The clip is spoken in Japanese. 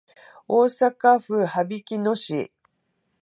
大阪府羽曳野市